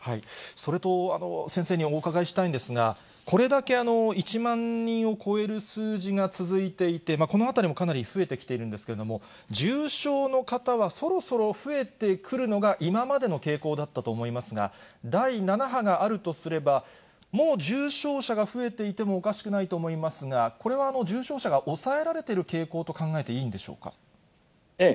それと先生にお伺いしたいんですが、これだけ１万人を超える数字が続いていて、このあたりもかなり増えてきているんですけれども、重症の方は、そろそろ増えてくるのが今までの傾向だったと思いますが、第７波があるとすれば、もう重症者が増えていてもおかしくないと思いますが、これは重症者が抑えられている傾向と考えていいんでしょうか。